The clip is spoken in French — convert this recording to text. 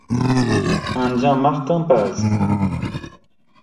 Indien Martin Paz…